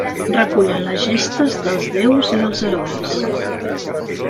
Recullen les gestes dels déus i els herois.